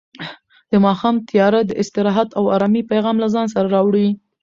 د ماښام تیاره د استراحت او ارامۍ پیغام له ځان سره راوړي.